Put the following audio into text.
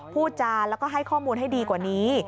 พูดจานแล้วก็ให้ข้อมูลให้ดีกว่านี้